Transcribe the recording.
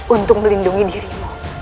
untuk melindungi dirimu